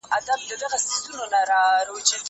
زه به زده کړه کړي وي؟!